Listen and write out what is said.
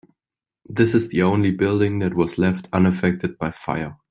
This is the only building that was left unaffected by fire.